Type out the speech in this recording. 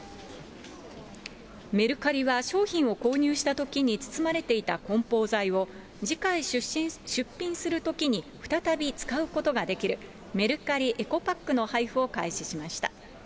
メルカリは、商品を購入したときに包まれていた梱包材を次回出品するときに再び使うことができる、メリカリエコパックの配布を開始しました。